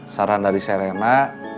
saran dari serena